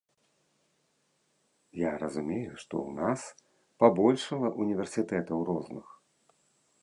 Я разумею, што ў нас пабольшала універсітэтаў розных.